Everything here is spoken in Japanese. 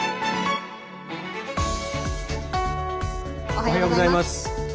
おはようございます。